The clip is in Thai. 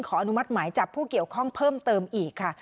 อนุมัติหมายจับผู้เกี่ยวข้องเพิ่มเติมอีกค่ะ